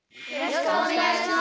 よろしくお願いします。